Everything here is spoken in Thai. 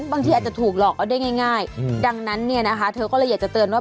บางทีอาจจะถูกหลอกเอาได้ง่ายดังนั้นเนี่ยนะคะเธอก็เลยอยากจะเตือนว่า